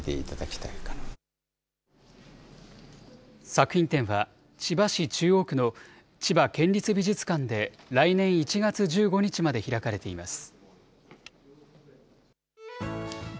作品展は、千葉市中央区の千葉県立美術館で来年１月１５日まで開かれています。